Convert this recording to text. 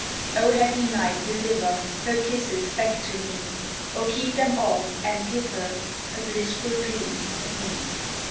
O, happy night, deliver Her kisses back to me, Or keep them all, and give her A blissful dream of me!